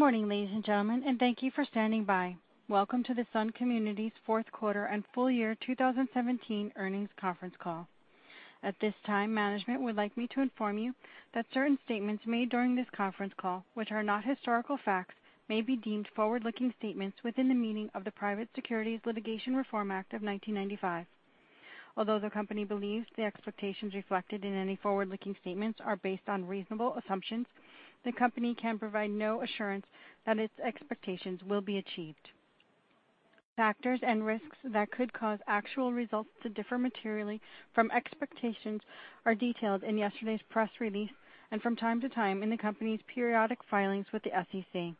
Good morning, ladies and gentlemen, and thank you for standing by. Welcome to the Sun Communities' fourth quarter and full year 2017 earnings conference call. At this time, management would like me to inform you that certain statements made during this conference call, which are not historical facts, may be deemed forward-looking statements within the meaning of the Private Securities Litigation Reform Act of 1995. Although the company believes the expectations reflected in any forward-looking statements are based on reasonable assumptions, the company can provide no assurance that its expectations will be achieved. Factors and risks that could cause actual results to differ materially from expectations are detailed in yesterday's press release and from time to time in the company's periodic filings with the SEC.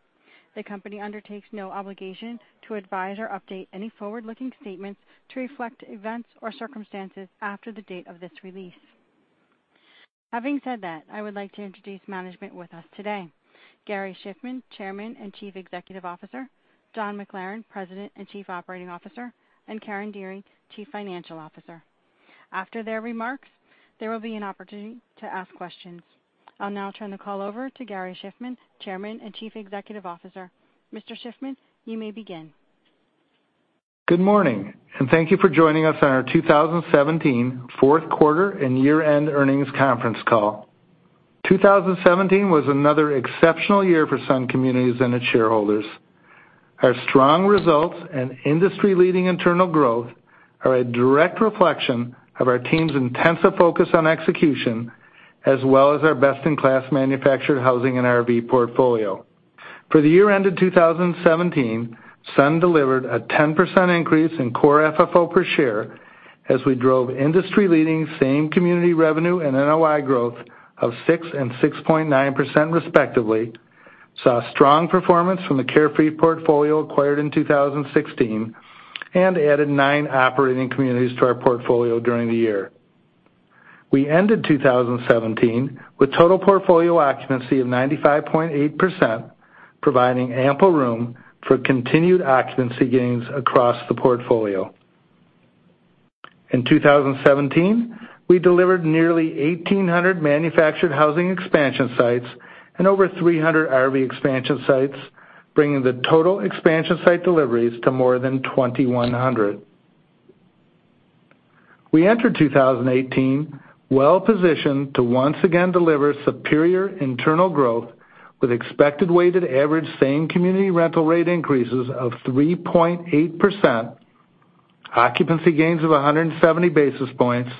The company undertakes no obligation to advise or update any forward-looking statements to reflect events or circumstances after the date of this release. Having said that, I would like to introduce management with us today: Gary Shiffman, Chairman and Chief Executive Officer, John McLaren, President and Chief Operating Officer, and Karen Dearing, Chief Financial Officer. After their remarks, there will be an opportunity to ask questions. I'll now turn the call over to Gary Shiffman, Chairman and Chief Executive Officer. Mr. Shiffman, you may begin. Good morning, and thank you for joining us on our 2017 fourth quarter and year-end earnings conference call. 2017 was another exceptional year for Sun Communities and its shareholders. Our strong results and industry-leading internal growth are a direct reflection of our team's intensive focus on execution, as well as our best-in-class manufactured housing and RV portfolio. For the year-end of 2017, Sun delivered a 10% increase in core FFO per share as we drove industry-leading same-community revenue and NOI growth of 6% and 6.9%, respectively. We saw strong performance from the Carefree portfolio acquired in 2016 and added nine operating communities to our portfolio during the year. We ended 2017 with total portfolio occupancy of 95.8%, providing ample room for continued occupancy gains across the portfolio. In 2017, we delivered nearly 1,800 manufactured housing expansion sites and over 300 RV expansion sites, bringing the total expansion site deliveries to more than 2,100. We entered 2018 well-positioned to once again deliver superior internal growth with expected weighted average same-community rental rate increases of 3.8%, occupancy gains of 170 basis points,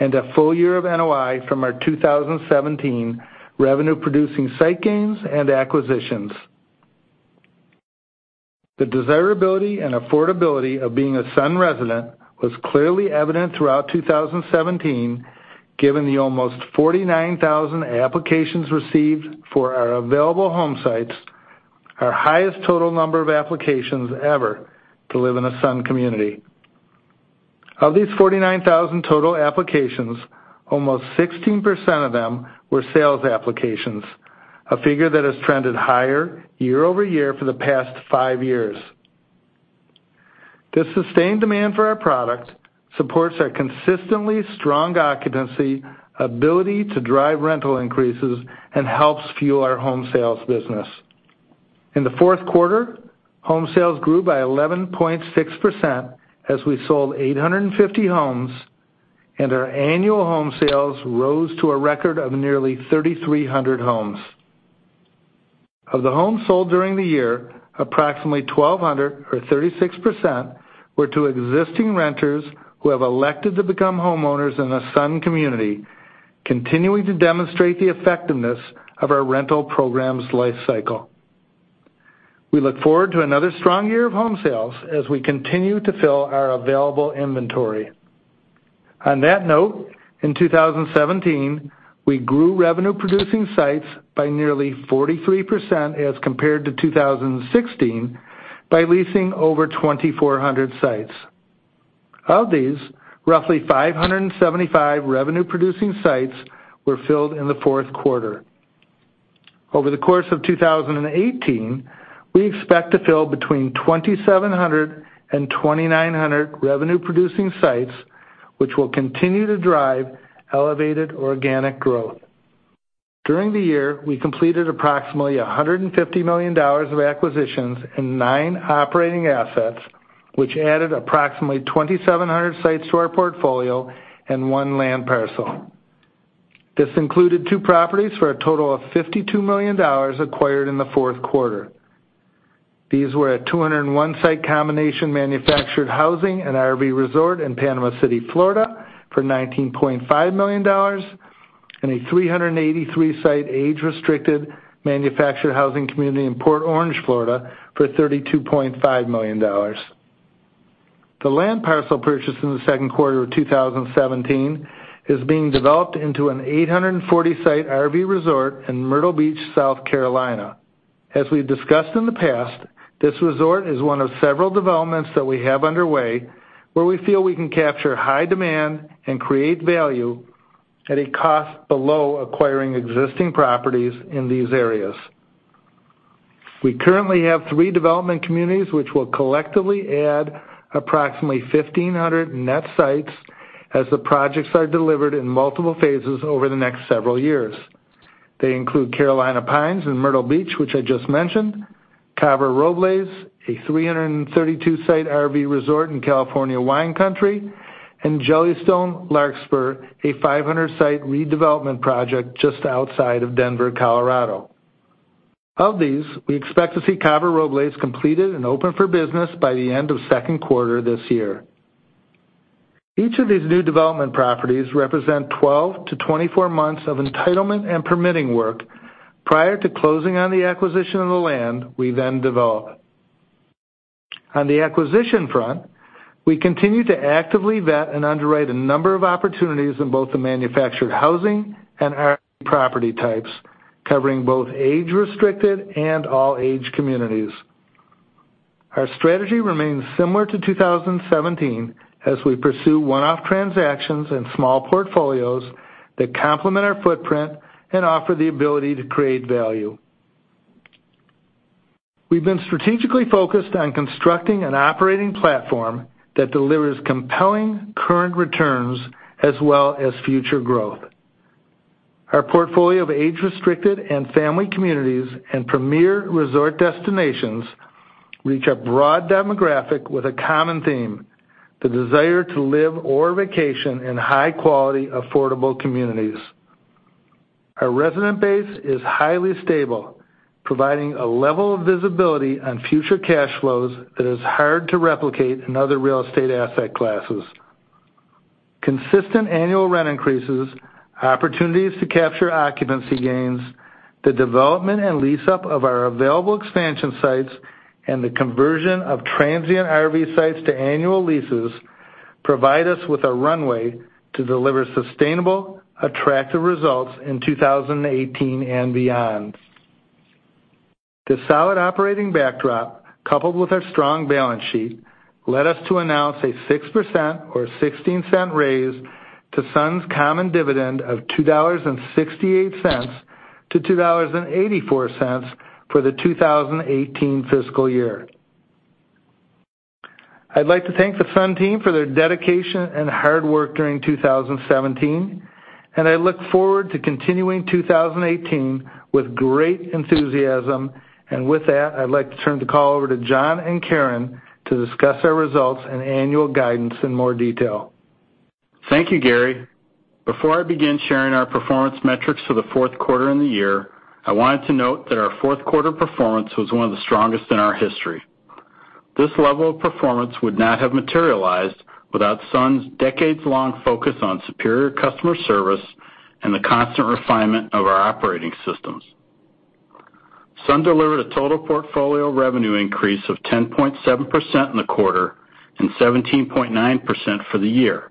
and a full year of NOI from our 2017 revenue-producing site gains and acquisitions. The desirability and affordability of being a Sun resident was clearly evident throughout 2017, given the almost 49,000 applications received for our available home sites, our highest total number of applications ever to live in a Sun community. Of these 49,000 total applications, almost 16% of them were sales applications, a figure that has trended higher year-over-year for the past five years. This sustained demand for our product supports our consistently strong occupancy, ability to drive rental increases, and helps fuel our home sales business. In the fourth quarter, home sales grew by 11.6% as we sold 850 homes, and our annual home sales rose to a record of nearly 3,300 homes. Of the homes sold during the year, approximately 1,200, or 36%, were to existing renters who have elected to become homeowners in a Sun community, continuing to demonstrate the effectiveness of our rental program's life cycle. We look forward to another strong year of home sales as we continue to fill our available inventory. On that note, in 2017, we grew revenue-producing sites by nearly 43% as compared to 2016 by leasing over 2,400 sites. Of these, roughly 575 revenue-producing sites were filled in the fourth quarter. Over the course of 2018, we expect to fill between 2,700 and 2,900 revenue-producing sites, which will continue to drive elevated organic growth. During the year, we completed approximately $150 million of acquisitions and nine operating assets, which added approximately 2,700 sites to our portfolio and one land parcel. This included two properties for a total of $52 million acquired in the fourth quarter. These were a 201-site combination manufactured housing and RV resort in Panama City, Florida, for $19.5 million, and a 383-site age-restricted manufactured housing community in Port Orange, Florida, for $32.5 million. The land parcel purchased in the second quarter of 2017 is being developed into an 840-site RV resort in Myrtle Beach, South Carolina. As we've discussed in the past, this resort is one of several developments that we have underway where we feel we can capture high demand and create value at a cost below acquiring existing properties in these areas. We currently have three development communities which will collectively add approximately 1,500 net sites as the projects are delivered in multiple phases over the next several years. They include Carolina Pines in Myrtle Beach, which I just mentioned, Cava Robles, a 332-site RV resort in California wine country, and Jellystone, Larkspur, a 500-site redevelopment project just outside of Denver, Colorado. Of these, we expect to see Cava Robles completed and open for business by the end of second quarter this year. Each of these new development properties represents 12-24 months of entitlement and permitting work prior to closing on the acquisition of the land we then develop. On the acquisition front, we continue to actively vet and underwrite a number of opportunities in both the manufactured housing and RV property types, covering both age-restricted and all-age communities. Our strategy remains similar to 2017 as we pursue one-off transactions and small portfolios that complement our footprint and offer the ability to create value. We've been strategically focused on constructing an operating platform that delivers compelling current returns as well as future growth. Our portfolio of age-restricted and family communities and premier resort destinations reach a broad demographic with a common theme: the desire to live or vacation in high-quality, affordable communities. Our resident base is highly stable, providing a level of visibility on future cash flows that is hard to replicate in other real estate asset classes. Consistent annual rent increases, opportunities to capture occupancy gains, the development and lease-up of our available expansion sites, and the conversion of transient RV sites to annual leases provide us with a runway to deliver sustainable, attractive results in 2018 and beyond. The solid operating backdrop, coupled with our strong balance sheet, led us to announce a 6%, or 16 cents, raise to Sun's common dividend of $2.68 to $2.84 for the 2018 fiscal year. I'd like to thank the Sun team for their dedication and hard work during 2017, and I look forward to continuing 2018 with great enthusiasm. With that, I'd like to turn the call over to John and Karen to discuss our results and annual guidance in more detail. Thank you, Gary. Before I begin sharing our performance metrics for the fourth quarter and the year, I wanted to note that our fourth quarter performance was one of the strongest in our history. This level of performance would not have materialized without Sun's decades-long focus on superior customer service and the constant refinement of our operating systems. Sun delivered a total portfolio revenue increase of 10.7% in the quarter and 17.9% for the year.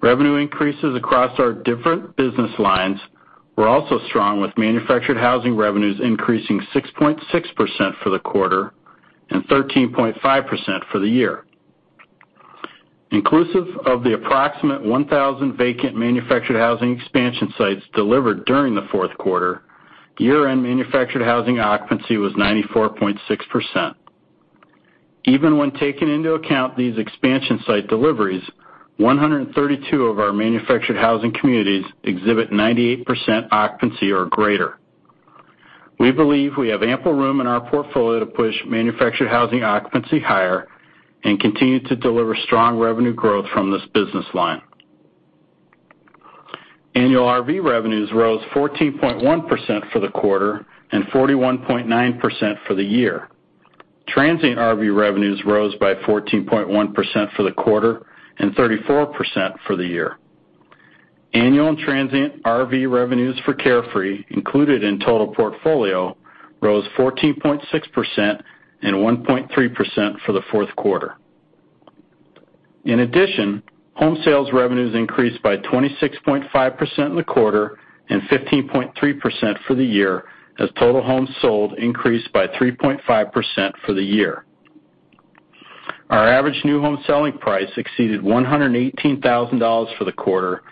Revenue increases across our different business lines were also strong, with manufactured housing revenues increasing 6.6% for the quarter and 13.5% for the year. Inclusive of the approximate 1,000 vacant manufactured housing expansion sites delivered during the fourth quarter, year-end manufactured housing occupancy was 94.6%. Even when taken into account these expansion site deliveries, 132 of our manufactured housing communities exhibit 98% occupancy or greater. We believe we have ample room in our portfolio to push manufactured housing occupancy higher and continue to deliver strong revenue growth from this business line. Annual RV revenues rose 14.1% for the quarter and 41.9% for the year. Transient RV revenues rose by 14.1% for the quarter and 34% for the year. Annual and transient RV revenues for Carefree, included in total portfolio, rose 14.6% and 1.3% for the fourth quarter. In addition, home sales revenues increased by 26.5% in the quarter and 15.3% for the year, as total homes sold increased by 3.5% for the year. Our average new home selling price exceeded $118,000 for the quarter,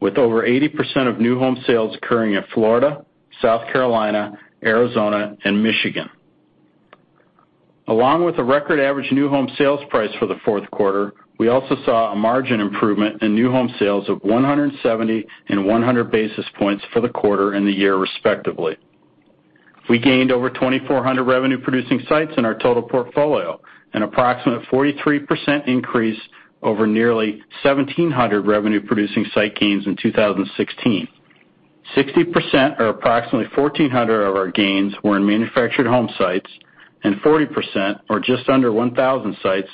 with over 80% of new home sales occurring in Florida, South Carolina, Arizona, and Michigan. Along with a record average new home sales price for the fourth quarter, we also saw a margin improvement in new home sales of 170 and 100 basis points for the quarter and the year, respectively. We gained over 2,400 revenue-producing sites in our total portfolio, an approximate 43% increase over nearly 1,700 revenue-producing site gains in 2016. 60%, or approximately 1,400, of our gains were in manufactured home sites, and 40%, or just under 1,000 sites,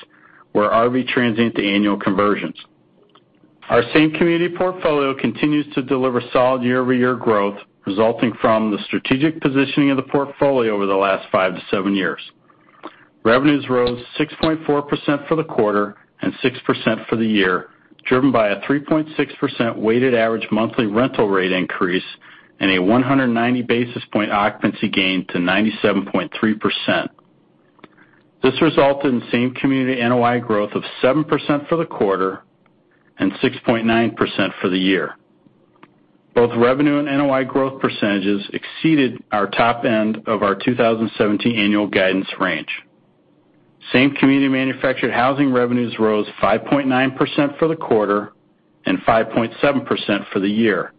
were RV transient to annual conversions. Our same-community portfolio continues to deliver solid year-over-year growth, resulting from the strategic positioning of the portfolio over the last five to seven years. Revenues rose 6.4% for the quarter and 6% for the year, driven by a 3.6% weighted average monthly rental rate increase and a 190 basis point occupancy gain to 97.3%. This resulted in same-community NOI growth of 7% for the quarter and 6.9% for the year. Both revenue and NOI growth percentages exceeded our top end of our 2017 annual guidance range. Same-community manufactured housing revenues rose 5.9% for the quarter and 5.7% for the year.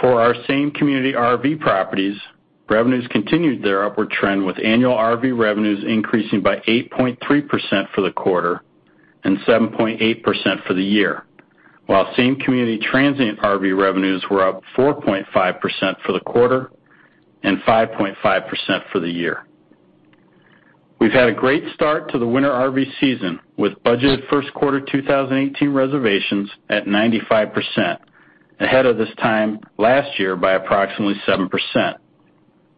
For our same-community RV properties, revenues continued their upward trend, with annual RV revenues increasing by 8.3% for the quarter and 7.8% for the year, while same-community transient RV revenues were up 4.5% for the quarter and 5.5% for the year. We've had a great start to the winter RV season, with budgeted first quarter 2018 reservations at 95%, ahead of this time last year by approximately 7%.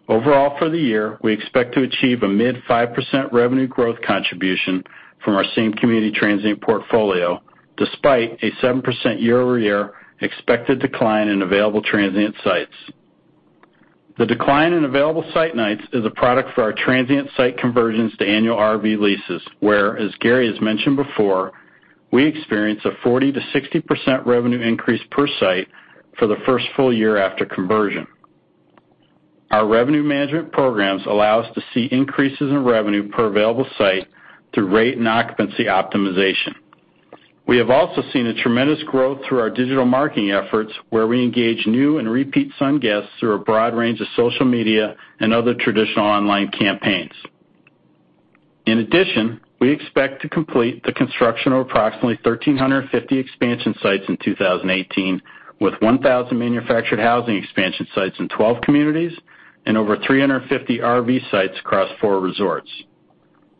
Overall for the year, we expect to achieve a mid-5% revenue growth contribution from our same-community transient portfolio, despite a 7% year-over-year expected decline in available transient sites. The decline in available site nights is a product for our transient site conversions to annual RV leases, where, as Gary has mentioned before, we experience a 40%-60% revenue increase per site for the first full year after conversion. Our revenue management programs allow us to see increases in revenue per available site through rate and occupancy optimization. We have also seen a tremendous growth through our digital marketing efforts, where we engage new and repeat Sun guests through a broad range of social media and other traditional online campaigns. In addition, we expect to complete the construction of approximately 1,350 expansion sites in 2018, with 1,000 manufactured housing expansion sites in 12 communities and over 350 RV sites across four resorts.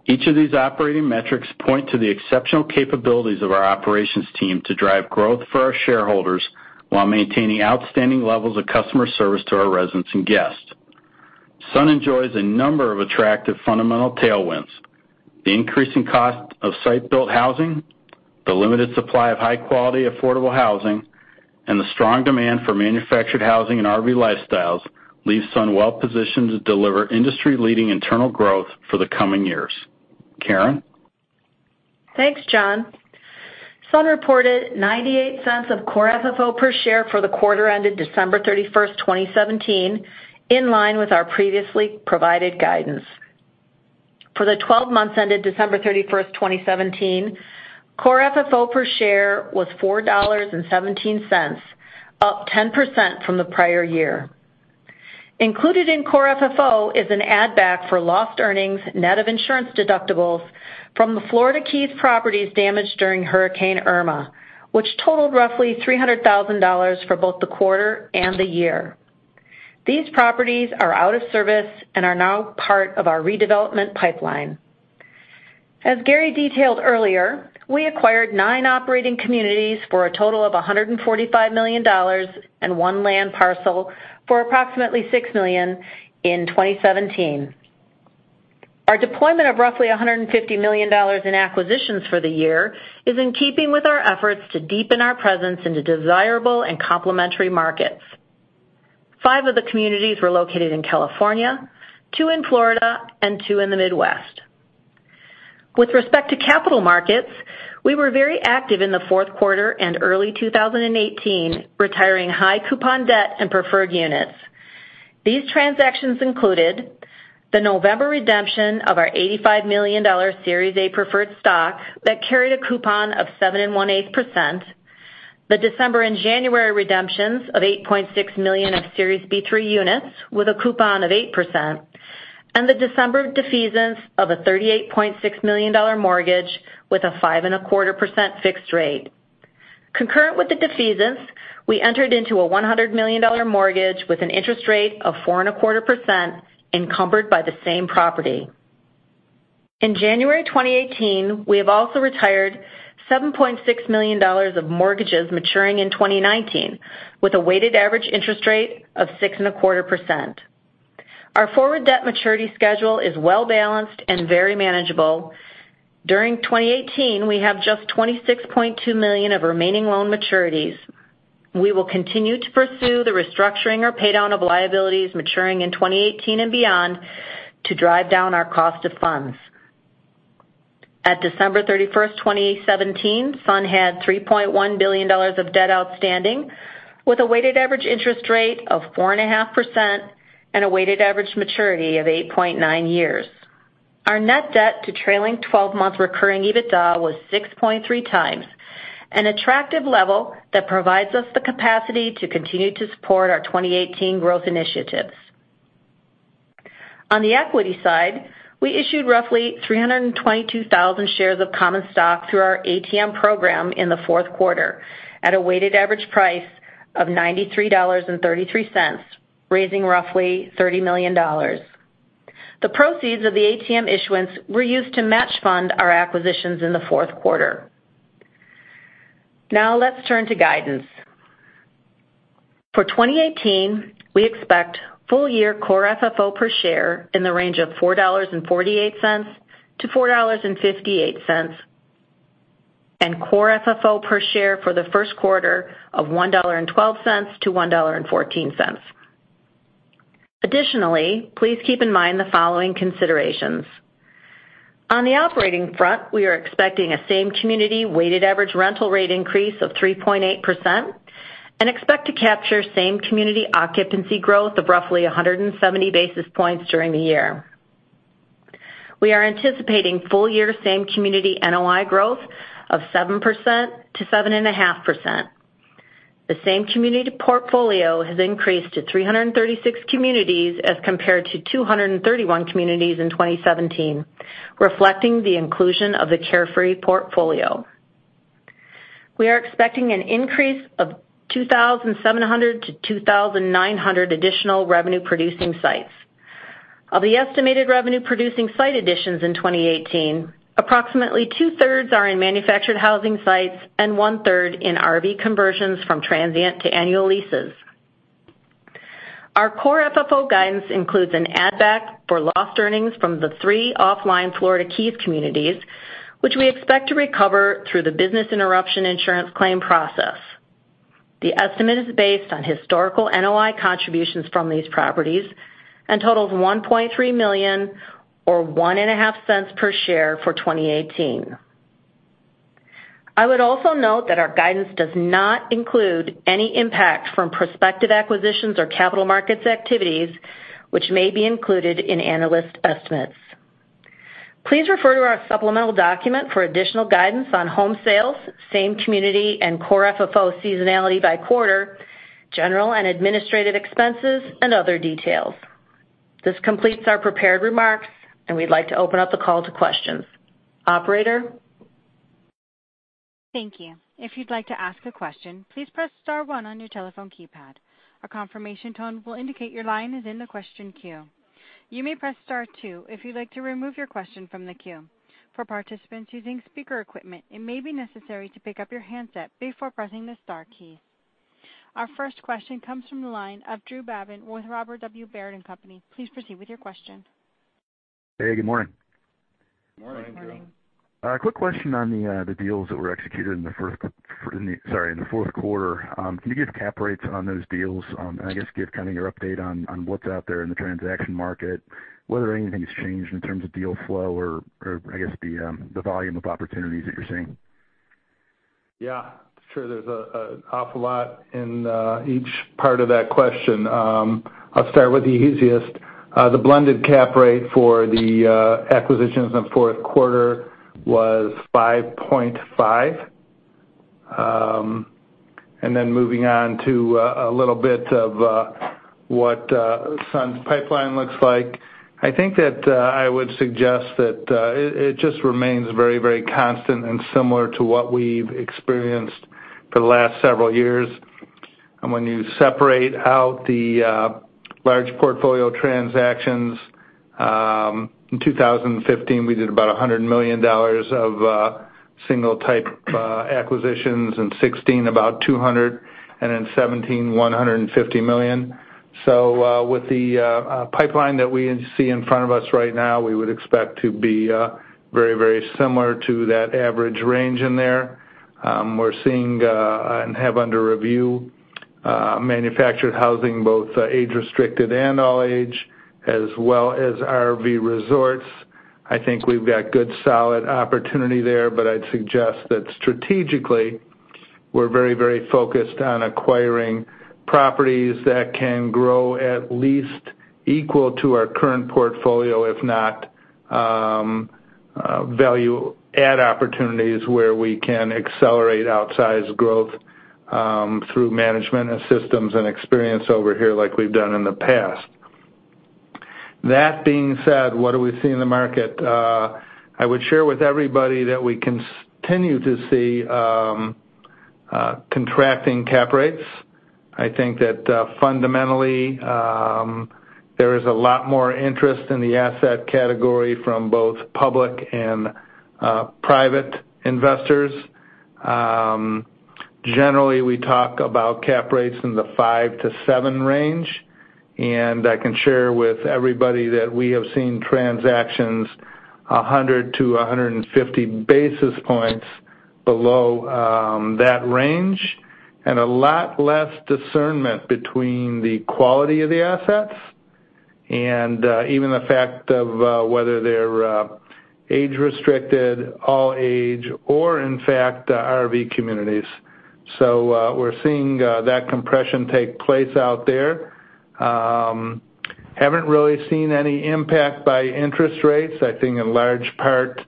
Each of these operating metrics points to the exceptional capabilities of our operations team to drive growth for our shareholders while maintaining outstanding levels of customer service to our residents and guests. Sun enjoys a number of attractive fundamental tailwinds: the increasing cost of site-built housing, the limited supply of high-quality, affordable housing, and the strong demand for manufactured housing and RV lifestyles leave Sun well-positioned to deliver industry-leading internal growth for the coming years. Karen? Thanks, John. Sun reported $0.98 of core FFO per share for the quarter ended December 31, 2017, in line with our previously provided guidance. For the 12 months ended December 31, 2017, core FFO per share was $4.17, up 10% from the prior year. Included in core FFO is an add-back for lost earnings net of insurance deductibles from the Florida Keys properties damaged during Hurricane Irma, which totaled roughly $300,000 for both the quarter and the year. These properties are out of service and are now part of our redevelopment pipeline. As Gary detailed earlier, we acquired nine operating communities for a total of $145 million and one land parcel for approximately $6 million in 2017. Our deployment of roughly $150 million in acquisitions for the year is in keeping with our efforts to deepen our presence in desirable and complementary markets. Five of the communities were located in California, two in Florida, and two in the Midwest. With respect to capital markets, we were very active in the fourth quarter and early 2018, retiring high coupon debt and preferred units. These transactions included the November redemption of our $85 million Series A preferred stock that carried a coupon of 7.125%, the December and January redemptions of 8.6 million of Series B-3 units with a coupon of 8%, and the December defeasance of a $38.6 million mortgage with a 5.25% fixed rate. Concurrent with the defeasance, we entered into a $100 million mortgage with an interest rate of 4.25% encumbered by the same property. In January 2018, we have also retired $7.6 million of mortgages maturing in 2019, with a weighted average interest rate of 6.25%. Our forward debt maturity schedule is well-balanced and very manageable. During 2018, we have just $26.2 million of remaining loan maturities. We will continue to pursue the restructuring or pay down of liabilities maturing in 2018 and beyond to drive down our cost of funds. At December 31, 2017, Sun had $3.1 billion of debt outstanding, with a weighted average interest rate of 4.5% and a weighted average maturity of 8.9 years. Our net debt to trailing 12-month recurring EBITDA was 6.3x, an attractive level that provides us the capacity to continue to support our 2018 growth initiatives. On the equity side, we issued roughly 322,000 shares of common stock through our ATM program in the fourth quarter at a weighted average price of $93.33, raising roughly $30 million. The proceeds of the ATM issuance were used to match fund our acquisitions in the fourth quarter. Now let's turn to guidance. For 2018, we expect full-year Core FFO per share in the range of $4.48-$4.58, and Core FFO per share for the first quarter of $1.12-$1.14. Additionally, please keep in mind the following considerations. On the operating front, we are expecting a same-community weighted average rental rate increase of 3.8% and expect to capture same-community occupancy growth of roughly 170 basis points during the year. We are anticipating full-year same-community NOI growth of 7%-7.5%. The same-community portfolio has increased to 336 communities as compared to 231 communities in 2017, reflecting the inclusion of the Carefree portfolio. We are expecting an increase of 2,700-2,900 additional revenue-producing sites. Of the estimated revenue-producing site additions in 2018, approximately two-thirds are in manufactured housing sites and one-third in RV conversions from transient to annual leases. Our core FFO guidance includes an add-back for lost earnings from the three offline Florida Keys communities, which we expect to recover through the business interruption insurance claim process. The estimate is based on historical NOI contributions from these properties and totals $1.3 million, or $0.015 per share for 2018. I would also note that our guidance does not include any impact from prospective acquisitions or capital markets activities, which may be included in analyst estimates. Please refer to our supplemental document for additional guidance on home sales, same-community and core FFO seasonality by quarter, general and administrative expenses, and other details. This completes our prepared remarks, and we'd like to open up the call to questions. Operator? Thank you. If you'd like to ask a question, please press star one on your telephone keypad. A confirmation tone will indicate your line is in the question queue. You may press star two if you'd like to remove your question from the queue. For participants using speaker equipment, it may be necessary to pick up your handset before pressing the star keys. Our first question comes from the line of Drew Babin with Robert W. Baird & Co. Please proceed with your question. Hey, good morning. Good morning, Drew. Good morning. Quick question on the deals that were executed in the fourth, sorry, in the fourth quarter. Can you give cap rates on those deals and, I guess, give kind of your update on what's out there in the transaction market, whether anything has changed in terms of deal flow or, I guess, the volume of opportunities that you're seeing? Yeah. Sure. There's an awful lot in each part of that question. I'll start with the easiest. The blended cap rate for the acquisitions in the fourth quarter was 5.5. Then moving on to a little bit of what Sun's pipeline looks like. I think that I would suggest that it just remains very, very constant and similar to what we've experienced for the last several years. When you separate out the large portfolio transactions, in 2015, we did about $100 million of single-type acquisitions. In 2016, about $200 million. And in 2017, $150 million. So with the pipeline that we see in front of us right now, we would expect to be very, very similar to that average range in there. We're seeing and have under review manufactured housing, both age-restricted and all-age, as well as RV resorts. I think we've got good solid opportunity there, but I'd suggest that strategically, we're very, very focused on acquiring properties that can grow at least equal to our current portfolio, if not value-add opportunities where we can accelerate outsized growth through management and systems and experience over here like we've done in the past. That being said, what are we seeing in the market? I would share with everybody that we continue to see contracting cap rates. I think that fundamentally, there is a lot more interest in the asset category from both public and private investors. Generally, we talk about cap rates in the 5%-7% range. I can share with everybody that we have seen transactions 100-150 basis points below that range and a lot less discernment between the quality of the assets and even the fact of whether they're age-restricted, all-age, or, in fact, RV communities. So we're seeing that compression take place out there. Haven't really seen any impact by interest rates. I think in large part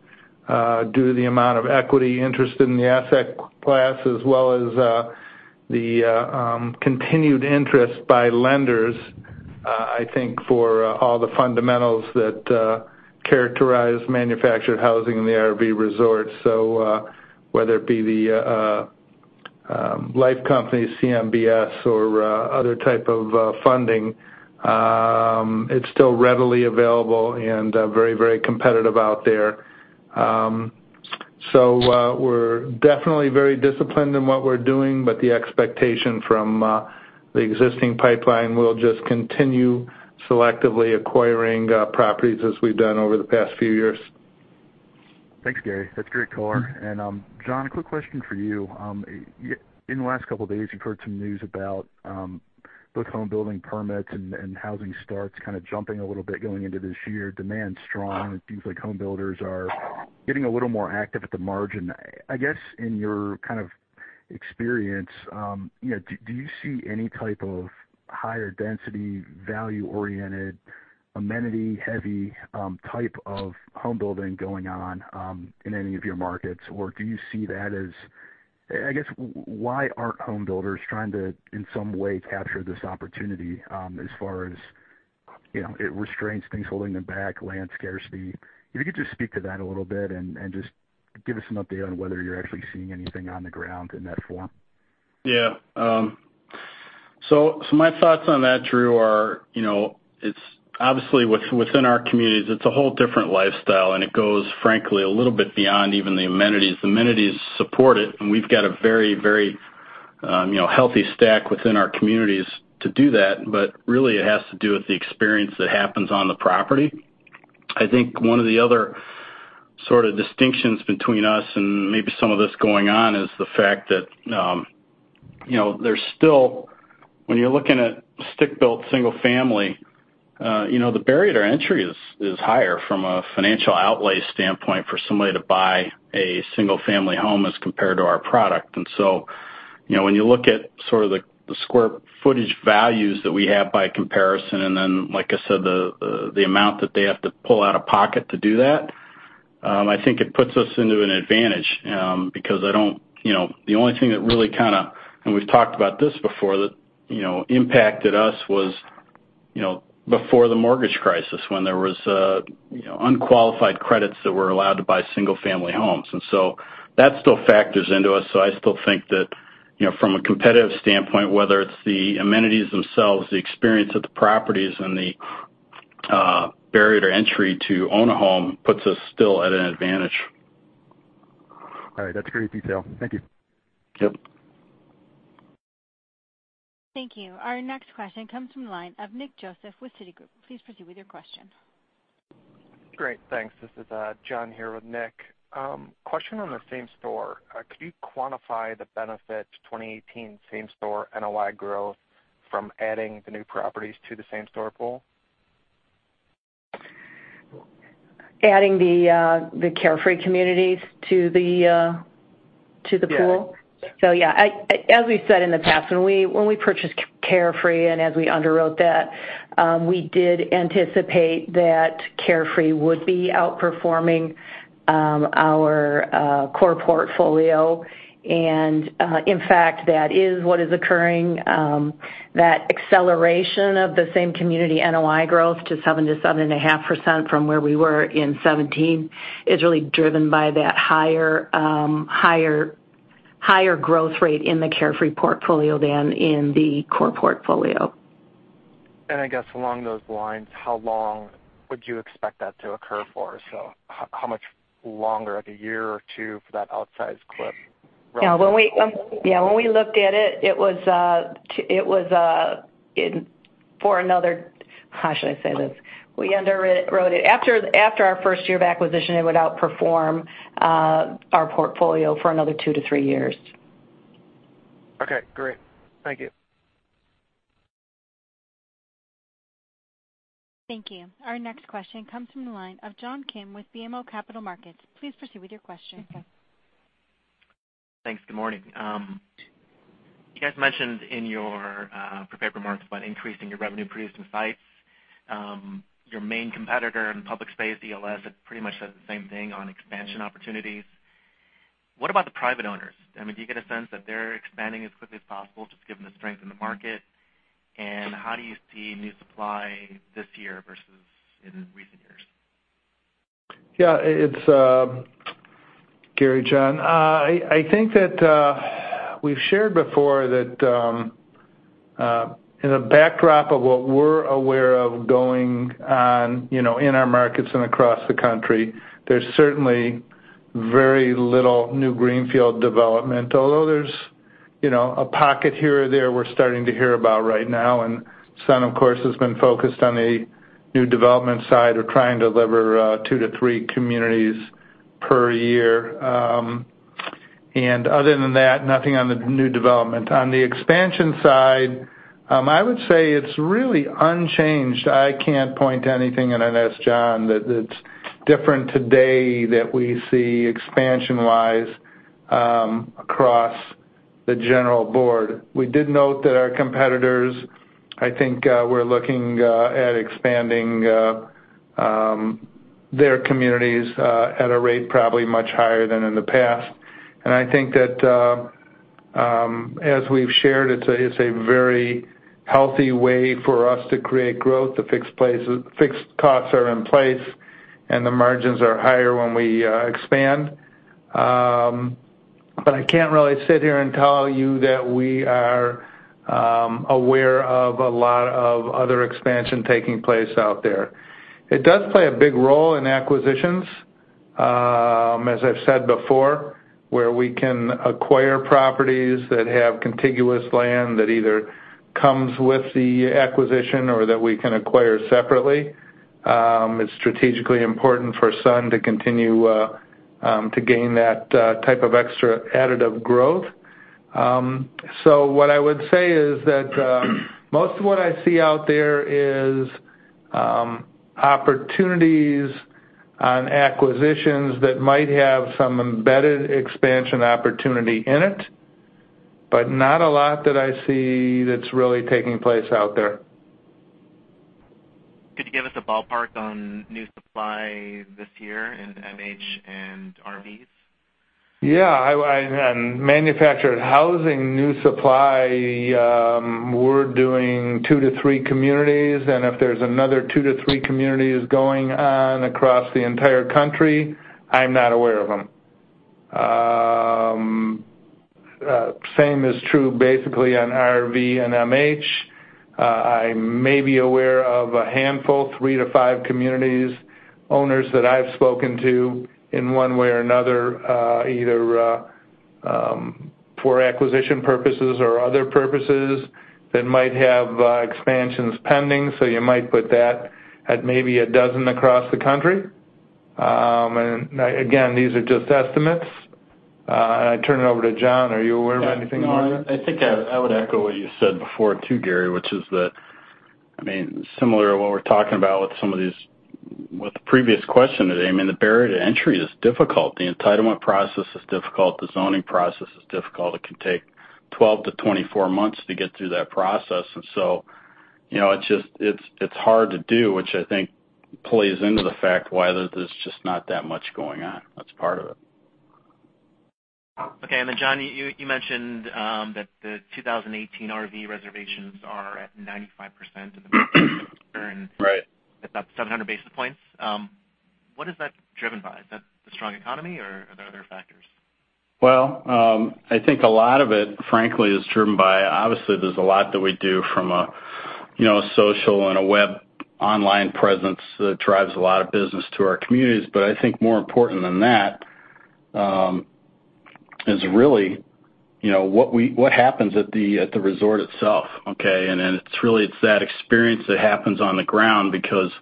due to the amount of equity interest in the asset class, as well as the continued interest by lenders, I think, for all the fundamentals that characterize manufactured housing and the RV resorts. So whether it be the life company, CMBS, or other type of funding, it's still readily available and very, very competitive out there. We're definitely very disciplined in what we're doing, but the expectation from the existing pipeline will just continue selectively acquiring properties as we've done over the past few years. Thanks, Gary. That's great, color. John, a quick question for you. In the last couple of days, you've heard some news about both home building permits and housing starts kind of jumping a little bit going into this year. Demand's strong. It seems like home builders are getting a little more active at the margin. I guess in your kind of experience, do you see any type of higher density, value-oriented, amenity-heavy type of home building going on in any of your markets? Or do you see that as, I guess, why aren't home builders trying to, in some way, capture this opportunity as far as it restrains things holding them back, land scarcity? If you could just speak to that a little bit and just give us an update on whether you're actually seeing anything on the ground in that form. Yeah. So my thoughts on that, Drew, are it's obviously within our communities, it's a whole different lifestyle, and it goes, frankly, a little bit beyond even the amenities. The amenities support it, and we've got a very, very healthy stack within our communities to do that. But really, it has to do with the experience that happens on the property. I think one of the other sort of distinctions between us and maybe some of this going on is the fact that there's still, when you're looking at stick-built single-family, the barrier to entry is higher from a financial outlay standpoint for somebody to buy a single-family home as compared to our product. And so when you look at sort of the square footage values that we have by comparison and then, like I said, the amount that they have to pull out of pocket to do that, I think it puts us into an advantage because I don't, the only thing that really kind of, and we've talked about this before, that impacted us was before the mortgage crisis when there were unqualified credits that were allowed to buy single-family homes. And so that still factors into us. So I still think that from a competitive standpoint, whether it's the amenities themselves, the experience at the properties, and the barrier to entry to own a home puts us still at an advantage. All right. That's great detail. Thank you. Yep. Thank you. Our next question comes from the line of Nick Joseph with Citigroup. Please proceed with your question. Great. Thanks. This is John here with Nick. Question on the same store. Could you quantify the benefit to 2018 same-store NOI growth from adding the new properties to the same-store pool? Adding the Carefree Communities to the pool? Yeah. So yeah. As we said in the past, when we purchased Carefree and as we underwrote that, we did anticipate that Carefree would be outperforming our core portfolio. In fact, that is what is occurring. That acceleration of the same-community NOI growth to 7%-7.5% from where we were in 2017 is really driven by that higher growth rate in the Carefree portfolio than in the core portfolio. I guess along those lines, how long would you expect that to occur for? How much longer, like a year or two, for that outsized clip? Yeah. When we looked at it, it was for another, how should I say this? We underwrote it. After our first year of acquisition, it would outperform our portfolio for another 2-3 years. Okay. Great. Thank you. Thank you. Our next question comes from the line of John Kim with BMO Capital Markets. Please proceed with your question. Thanks. Good morning. You guys mentioned in your prepared remarks about increasing your revenue-producing sites. Your main competitor in public space, ELS, had pretty much said the same thing on expansion opportunities. What about the private owners? I mean, do you get a sense that they're expanding as quickly as possible just given the strength in the market? And how do you see new supply this year versus in recent years? Yeah. It's Gary, John. I think that we've shared before that in the backdrop of what we're aware of going on in our markets and across the country, there's certainly very little new greenfield development, although there's a pocket here or there we're starting to hear about right now. Sun, of course, has been focused on the new development side of trying to deliver 2-3 communities per year. Other than that, nothing on the new development. On the expansion side, I would say it's really unchanged. I can't point to anything, and I know that's John, that it's different today that we see expansion-wise across the general board. We did note that our competitors, I think, were looking at expanding their communities at a rate probably much higher than in the past. I think that as we've shared, it's a very healthy way for us to create growth. The fixed costs are in place, and the margins are higher when we expand. But I can't really sit here and tell you that we are aware of a lot of other expansion taking place out there. It does play a big role in acquisitions, as I've said before, where we can acquire properties that have contiguous land that either comes with the acquisition or that we can acquire separately. It's strategically important for Sun to continue to gain that type of extra additive growth. So what I would say is that most of what I see out there is opportunities on acquisitions that might have some embedded expansion opportunity in it, but not a lot that I see that's really taking place out there. Could you give us a ballpark on new supply this year in MH and RVs? Yeah. In manufactured housing, new supply, we're doing 2-3 communities. And if there's another 2-3 communities going on across the entire country, I'm not aware of them. Same is true basically on RV and MH. I may be aware of a handful, 3-5 community owners that I've spoken to in one way or another, either for acquisition purposes or other purposes, that might have expansions pending. So you might put that at maybe 12 across the country. And again, these are just estimates. And I turn it over to John. Are you aware of anything more? Yeah. I think I would echo what you said before too, Gary, which is that, I mean, similar to what we're talking about with some of these with the previous question today, I mean, the barrier to entry is difficult. The entitlement process is difficult. The zoning process is difficult. It can take 12-24 months to get through that process. And so it's hard to do, which I think plays into the fact why there's just not that much going on. That's part of it. Okay. And then, John, you mentioned that the 2018 RV reservations are at 95% of the market and about 700 basis points. What is that driven by? Is that the strong economy, or are there other factors? Well, I think a lot of it, frankly, is driven by obviously, there's a lot that we do from a social and a web online presence that drives a lot of business to our communities. But I think more important than that is really what happens at the resort itself. Okay? And it's really that experience that happens on the ground because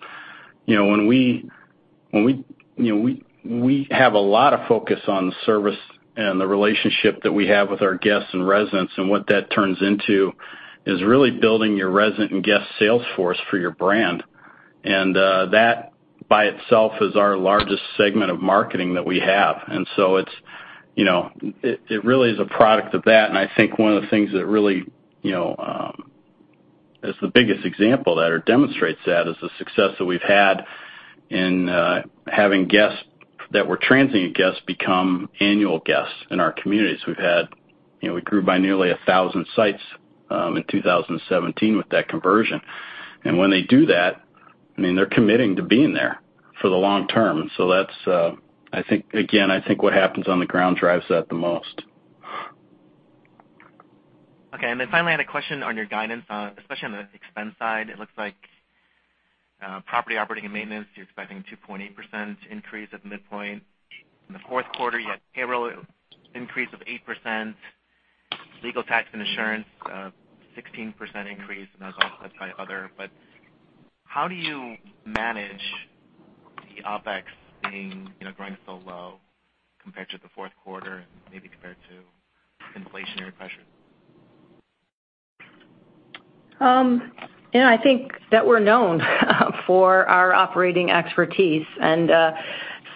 when we have a lot of focus on the service and the relationship that we have with our guests and residents and what that turns into is really building your resident and guest sales force for your brand. And that by itself is our largest segment of marketing that we have. And so it really is a product of that. I think one of the things that really is the biggest example that demonstrates that is the success that we've had in having guests that were transient guests become annual guests in our communities. We grew by nearly 1,000 sites in 2017 with that conversion. When they do that, I mean, they're committing to being there for the long term. I think, again, I think what happens on the ground drives that the most. Okay. And then finally, I had a question on your guidance, especially on the expense side. It looks like property operating and maintenance, you're expecting a 2.8% increase at the midpoint. In the fourth quarter, you had payroll increase of 8%, legal tax and insurance, 16% increase, and that's by other. But how do you manage the OpEx being growing so low compared to the fourth quarter and maybe compared to inflationary pressures? I think that we're known for our operating expertise. And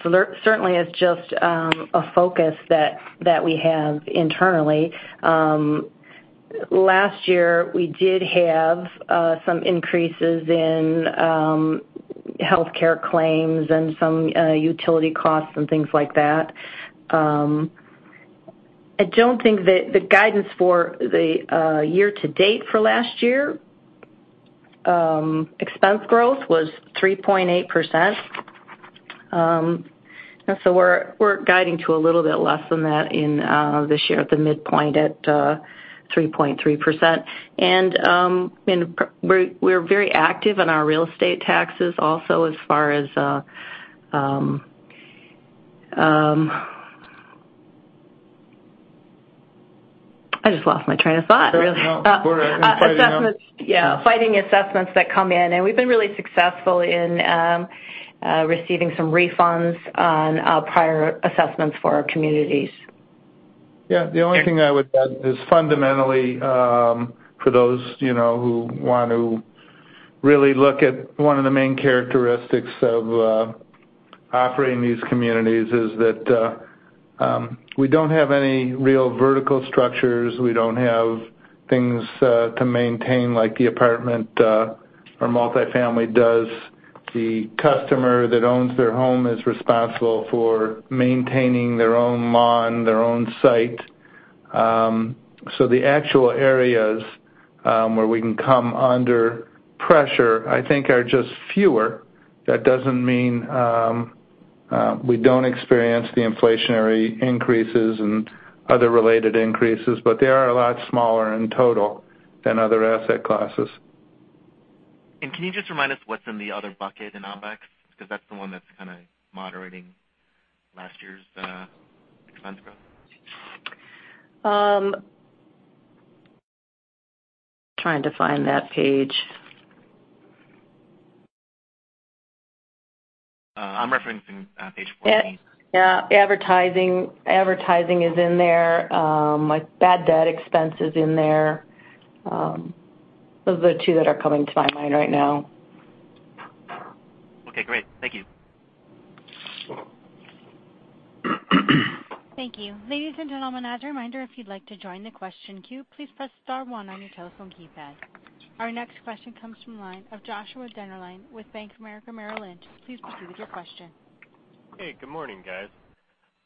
certainly, it's just a focus that we have internally. Last year, we did have some increases in healthcare claims and some utility costs and things like that. I don't think that the guidance for the year-to-date for last year expense growth was 3.8%. And so we're guiding to a little bit less than that in this year at the midpoint at 3.3%. And we're very active in our real estate taxes also as far as I just lost my train of thought, really. Assessments. Yeah. Fighting assessments that come in. We've been really successful in receiving some refunds on prior assessments for our communities. Yeah. The only thing I would add is fundamentally, for those who want to really look at one of the main characteristics of operating these communities is that we don't have any real vertical structures. We don't have things to maintain like the apartment or multifamily does. The customer that owns their home is responsible for maintaining their own lawn, their own site. So the actual areas where we can come under pressure, I think, are just fewer. That doesn't mean we don't experience the inflationary increases and other related increases, but they are a lot smaller in total than other asset classes. Can you just remind us what's in the other bucket in OpEx? Because that's the one that's kind of moderating last year's expense growth. Trying to find that page. I'm referencing page 14. Yeah. Advertising is in there. My bad debt expense is in there. Those are the two that are coming to my mind right now. Okay. Great. Thank you. Thank you. Ladies and gentlemen, as a reminder, if you'd like to join the question queue, please press star one on your telephone keypad. Our next question comes from the line of Joshua Dennerlein with Bank of America Merrill Lynch. Please proceed with your question. Hey. Good morning, guys.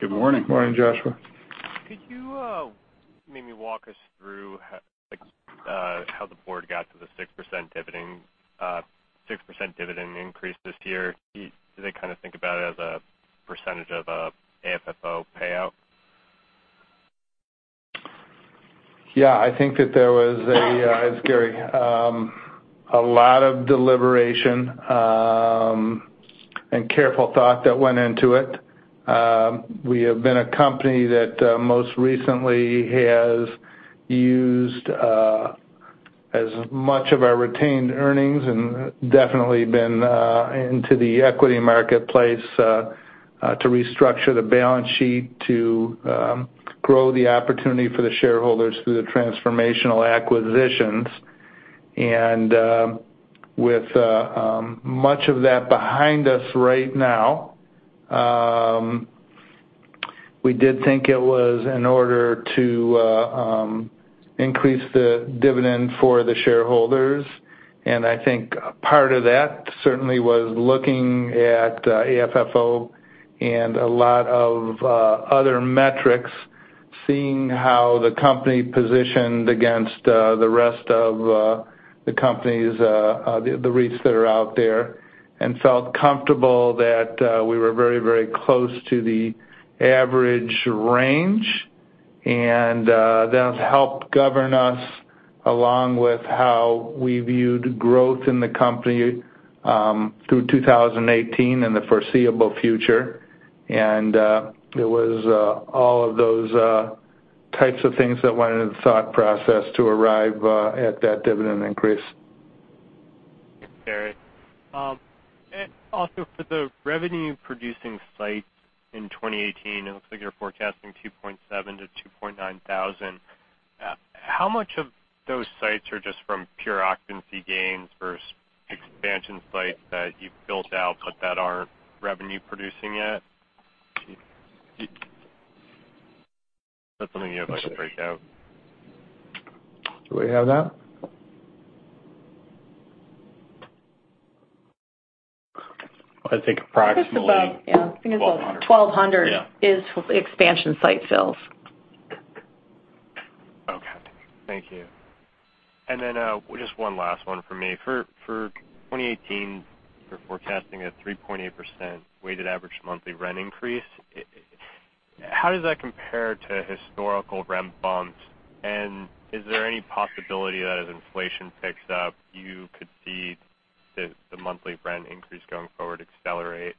Good morning. Morning, Joshua. Could you maybe walk us through how the board got to the 6% dividend increase this year? Do they kind of think about it as a AFFO payout? Yeah. I think that there was a, it's Gary, a lot of deliberation and careful thought that went into it. We have been a company that most recently has used as much of our retained earnings and definitely been into the equity marketplace to restructure the balance sheet to grow the opportunity for the shareholders through the transformational acquisitions. With much of that behind us right now, we did think it was in order to increase the dividend for the shareholders. I think part of that certainly was looking at AFFO and a lot of other metrics, seeing how the company positioned against the rest of the companies, the REITs that are out there, and felt comfortable that we were very, very close to the average range. That helped govern us along with how we viewed growth in the company through 2018 and the foreseeable future. It was all of those types of things that went into the thought process to arrive at that dividend increase. Gary. Also, for the revenue-producing sites in 2018, it looks like you're forecasting 2,700-2,900. How much of those sites are just from pure occupancy gains versus expansion sites that you've built out but that aren't revenue-producing yet? That's something you'd like to break down. Do we have that? I think approximately. I think it's about, yeah, I think it's about 1,200 is expansion site sales. Okay. Thank you. And then just one last one from me. For 2018, you're forecasting a 3.8% weighted average monthly rent increase. How does that compare to historical rent bumps? And is there any possibility that as inflation picks up, you could see the monthly rent increase going forward accelerate?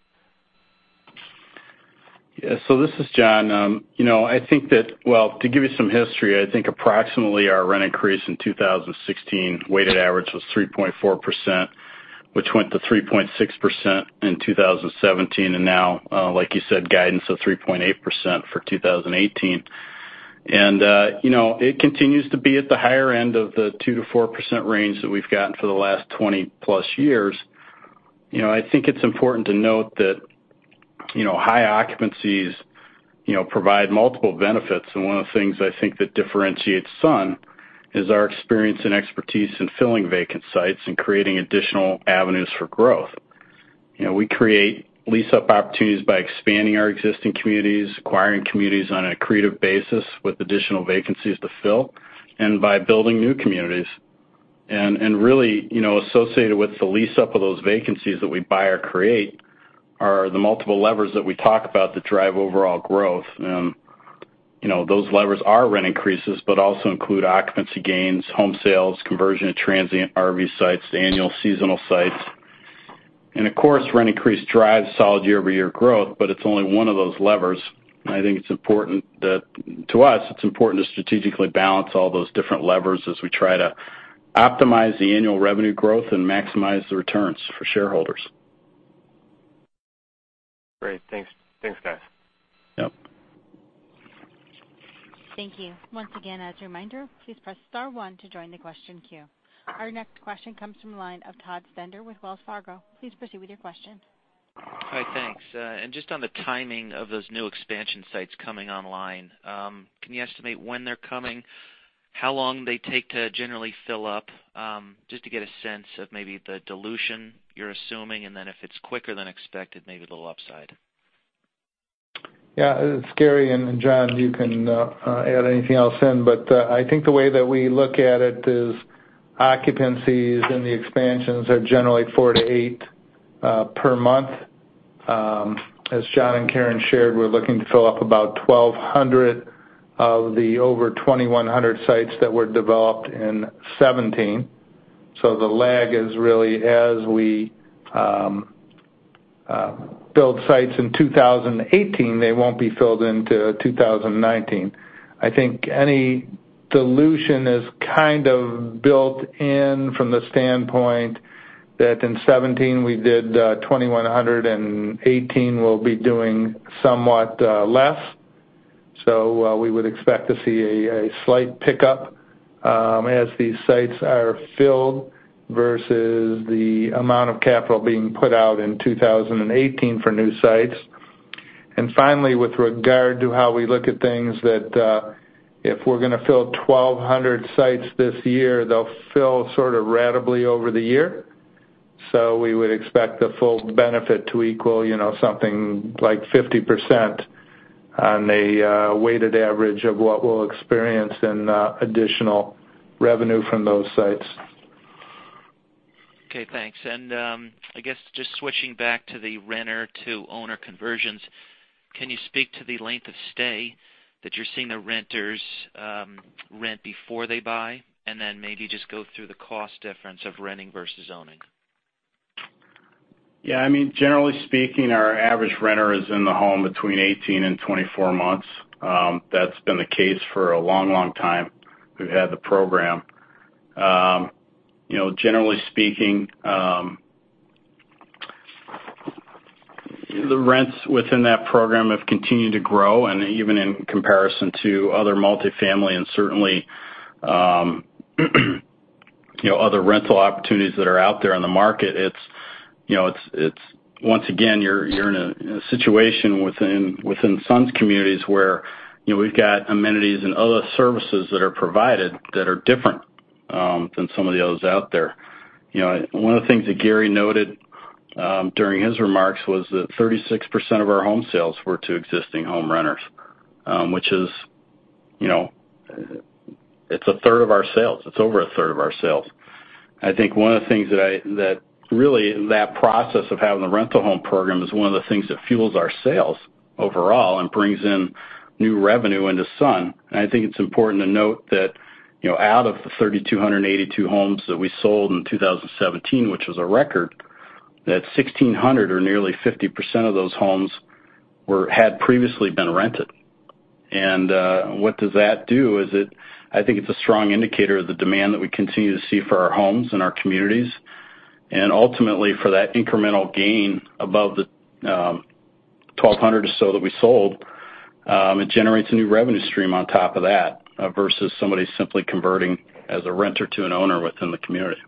Yeah. So this is John. I think that, well, to give you some history, I think approximately our rent increase in 2016 weighted average was 3.4%, which went to 3.6% in 2017. And now, like you said, guidance of 3.8% for 2018. It continues to be at the higher end of the 2%-4% range that we've gotten for the last 20+ years. I think it's important to note that high occupancies provide multiple benefits. One of the things I think that differentiates Sun is our experience and expertise in filling vacant sites and creating additional avenues for growth. We create lease-up opportunities by expanding our existing communities, acquiring communities on a creative basis with additional vacancies to fill, and by building new communities. Really, associated with the lease-up of those vacancies that we buy or create are the multiple levers that we talk about that drive overall growth. Those levers are rent increases but also include occupancy gains, home sales, conversion to transient RV sites, annual seasonal sites. Of course, rent increase drives solid year-over-year growth, but it's only one of those levers. I think it's important that to us, it's important to strategically balance all those different levers as we try to optimize the annual revenue growth and maximize the returns for shareholders. Great. Thanks, guys. Yep. Thank you. Once again, as a reminder, please press star one to join the question queue. Our next question comes from the line of Todd Stender with Wells Fargo. Please proceed with your question. Hi. Thanks. Just on the timing of those new expansion sites coming online, can you estimate when they're coming, how long they take to generally fill up, just to get a sense of maybe the dilution you're assuming, and then if it's quicker than expected, maybe a little upside? Yeah. Scary. And John, you can add anything else in. But I think the way that we look at it is occupancies and the expansions are generally 4-8 per month. As John and Karen shared, we're looking to fill up about 1,200 of the over 2,100 sites that were developed in 2017. So the lag is really as we build sites in 2018, they won't be filled into 2019. I think any dilution is kind of built in from the standpoint that in 2017 we did 2,100, and 2018 we'll be doing somewhat less. So we would expect to see a slight pickup as these sites are filled versus the amount of capital being put out in 2018 for new sites. And finally, with regard to how we look at things, that if we're going to fill 1,200 sites this year, they'll fill sort of ratably over the year. So we would expect the full benefit to equal something like 50% on the weighted average of what we'll experience in additional revenue from those sites. Okay. Thanks. And I guess just switching back to the renter-to-owner conversions, can you speak to the length of stay that you're seeing the renters rent before they buy? And then maybe just go through the cost difference of renting versus owning. Yeah. I mean, generally speaking, our average renter is in the home between 18 and 24 months. That's been the case for a long, long time we've had the program. Generally speaking, the rents within that program have continued to grow. And even in comparison to other multifamily and certainly other rental opportunities that are out there in the market, it's once again, you're in a situation within Sun's communities where we've got amenities and other services that are provided that are different than some of the others out there. One of the things that Gary noted during his remarks was that 36% of our home sales were to existing home renters, which is it's a third of our sales. It's over a third of our sales. I think one of the things that really that process of having the rental home program is one of the things that fuels our sales overall and brings in new revenue into Sun. I think it's important to note that out of the 3,282 homes that we sold in 2017, which was a record, that 1,600 or nearly 50% of those homes had previously been rented. What does that do? I think it's a strong indicator of the demand that we continue to see for our homes and our communities. Ultimately, for that incremental gain above the 1,200 or so that we sold, it generates a new revenue stream on top of that versus somebody simply converting as a renter to an owner within the community.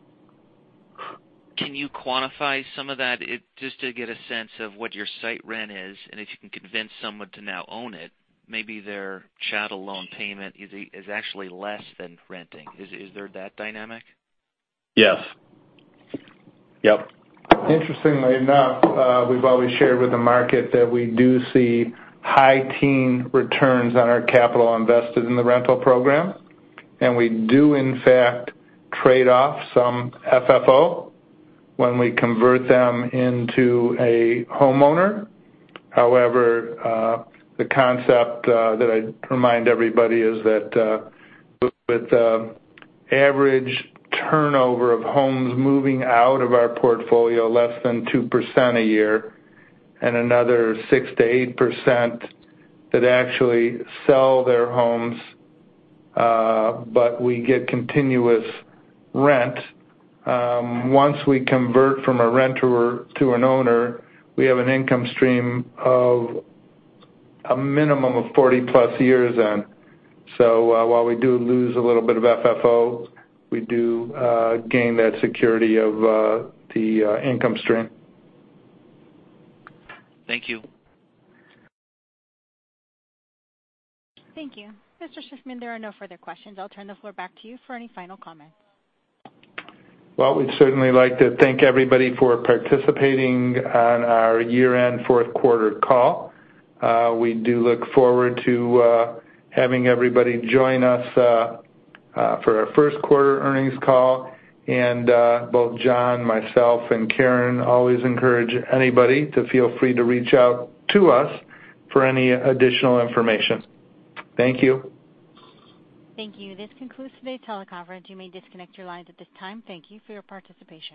Can you quantify some of that just to get a sense of what your site rent is? If you can convince someone to now own it, maybe their chattel loan payment is actually less than renting. Is there that dynamic? Yes. Yep. Interestingly enough, we've always shared with the market that we do see high-teen returns on our capital invested in the rental program. And we do, in fact, trade off some FFO when we convert them into a homeowner. However, the concept that I remind everybody is that with average turnover of homes moving out of our portfolio, less than 2% a year, and another 6%-8% that actually sell their homes, but we get continuous rent. Once we convert from a renter to an owner, we have an income stream of a minimum of 40+ years in. So while we do lose a little bit of FFO, we do gain that security of the income stream. Thank you. Thank you. Mr. Shiffman, there are no further questions. I'll turn the floor back to you for any final comments. Well, we'd certainly like to thank everybody for participating on our year-end fourth-quarter call. We do look forward to having everybody join us for our first-quarter earnings call. Both John, myself, and Karen always encourage anybody to feel free to reach out to us for any additional information. Thank you. Thank you. This concludes today's teleconference. You may disconnect your lines at this time. Thank you for your participation.